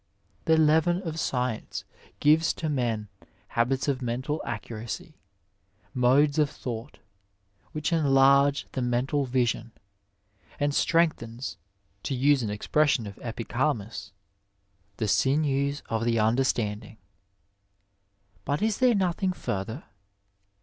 The leaven of science gives to men habits of mental accuracy, modes of thought which enlarge the mental vision, and strengthens — ^to use an expression of Epichar mus —the sinews of the understanding." But is there nothing further